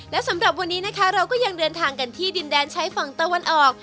และสำหรับวันนี้นะคะเราก็ยังเดินทางกันที่ดินแดนใช้ฝั่งตะวันออก